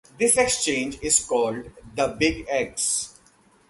This exchange is called The Big X.